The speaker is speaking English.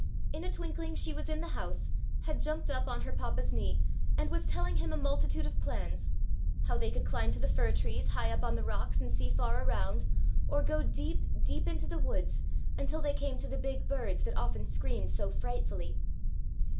In a twinkling she was in the house, had jumped up on her papa's knee and was telling him a multitude of plans,—how they could climb to the fir trees high up on the rocks and see far around, or go deep, deep into the woods, until they came to the big birds that often screamed so frightfully.